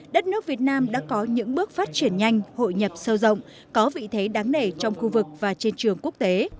đất nước việt nam đã có những bước phát triển nhanh hội nhập sâu rộng có vị thế đáng nể trong khu vực và trên trường quốc tế